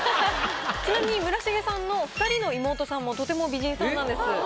ちなみに村重さんの２人の妹さんもとても美人さんなんです。